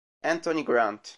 Anthony Grant